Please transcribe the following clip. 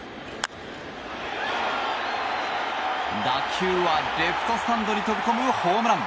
打球はレフトスタンドに飛び込むホームラン。